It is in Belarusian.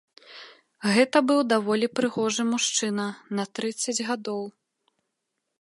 Гэта быў даволі прыгожы мужчына на трыццаць гадоў.